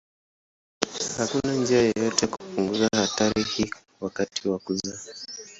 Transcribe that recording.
Hakuna njia yoyote ya kupunguza hatari hii wakati wa kuzaa.